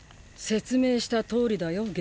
説明したとおりだよ